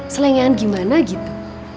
selengehan gimana gitu